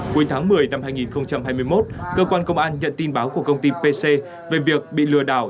cuối tháng một mươi năm hai nghìn hai mươi một cơ quan công an nhận tin báo của công ty pc về việc bị lừa đảo